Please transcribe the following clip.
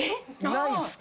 ないっすか？